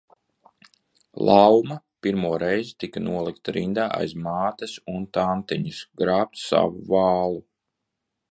Lauma pirmo reizi tika nolikta rindā aiz mātes un tantiņas grābt savu vālu.